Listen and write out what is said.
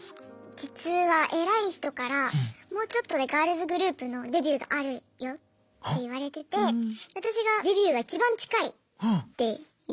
実はえらい人からもうちょっとでガールズグループのデビューがあるよって言われてて私がデビューがいちばん近いって言ってくださってて。